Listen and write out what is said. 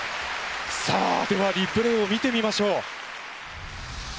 さあではリプレイを見てみましょう。